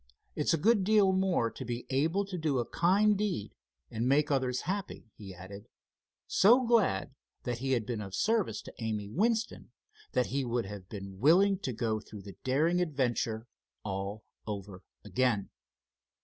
"It's a good deal more to be able to do a kind deed and make others happy," he added, so glad that he had been of service to Amy Winston, that he would have been willing to go through the daring adventure all over again.